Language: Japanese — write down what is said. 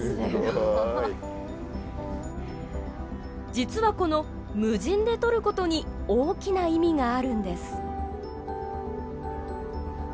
実はこの「無人で撮ること」に大きな意味があるんです。